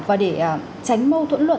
và để tránh mâu thuẫn luật